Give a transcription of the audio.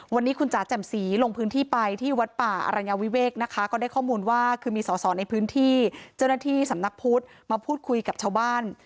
วันนี้คุณจ๋าแจ่มสีลงพื้นที่ไปที่วัดป่าอรัญญาวิเวกนะคะก็ได้ข้อมูลว่าคือมีสอสอในพื้นที่เจ้าหน้าที่สำนักพุทธมาพูดคุยกับชาวบ้าน